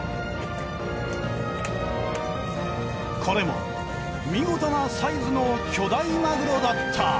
これも見事なサイズの巨大マグロだった。